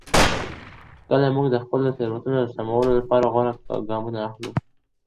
کله موږ د خپلو تېروتنو د سمولو لپاره غوره ګامونه اخلو؟